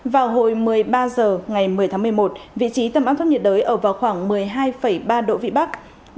vào hồi một mươi ba h ngày một mươi tháng một mươi một vị trí tâm áp thấp nhiệt đới ở vào khoảng một mươi hai ba độ vị bắc